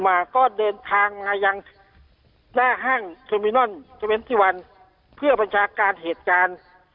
แล้วก็เดินทางมาจะห้างชาววินิดัลคที่ในพันธ์๒๑ประชาการเหตุการณ์